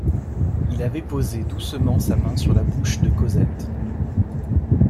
Il avait posé doucement sa main sur la bouche de Cosette.